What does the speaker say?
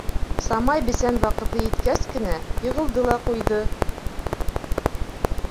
Самай бесән ваҡыты еткәс кенә, йығылды ла ҡуйҙы...